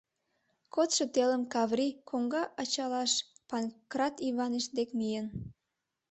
Кодшо телым Каври коҥга ачалаш Панкрат Иваныч дек миен.